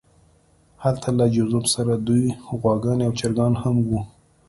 هلته له جوزف سره دوې غواګانې او چرګان هم وو